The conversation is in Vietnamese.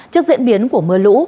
trước diễn biến của mưa lũ